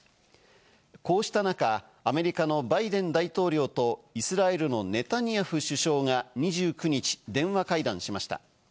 こうした中、アメリカのバイデン大統領とイスラエルのネタニヤフ首相が２９日、電話会談しました。